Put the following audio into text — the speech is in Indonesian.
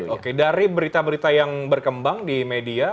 oke dari berita berita yang berkembang di media